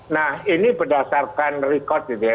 nah ini berdasarkan record gitu ya